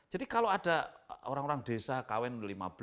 jadi kalau ada orang orang desa kawin lima belas enam belas